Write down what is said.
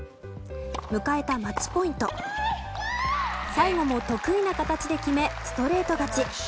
迎えたマッチポイント最後も得意な形で決めストレート勝ち。